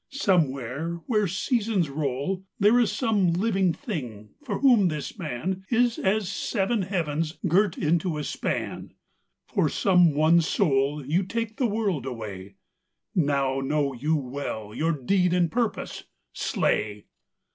somewhere where seasons roll There is some living thing for whom this man Is as seven heavens girt into a span, For some one soul you take the world away Now know you well your deed and purpose. Slay!'